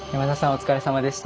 お疲れさまでした。